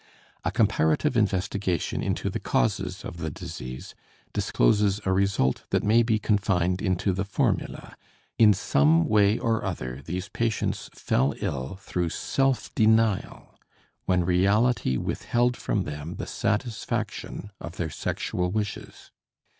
A comparative investigation into the causes of the disease discloses a result that may be confined into the formula: in some way or other these patients fell ill through self denial when reality withheld from them the satisfaction of their sexual wishes.